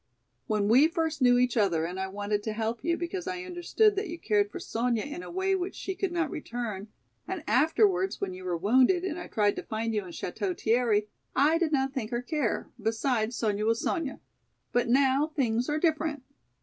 When we first knew each other and I wanted to help you because I understood that you cared for Sonya in a way which she could not return, and afterwards when you were wounded and I tried to find you in Château Thierry, I did not think or care, besides Sonya was Sonya! But now things are different."